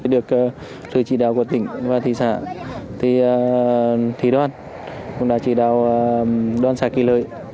được từ chỉ đạo của tỉnh và thị xã thì thị đoàn cũng đã chỉ đạo đoàn xã kỳ lợi